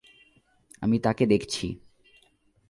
আমি তাকে দেখছি।